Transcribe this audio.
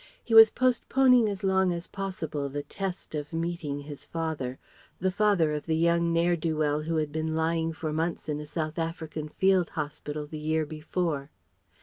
He was postponing as long as possible the test of meeting his father, the father of the young n'eer do weel who had been lying for months in a South African field hospital the year before.